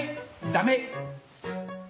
ダメ！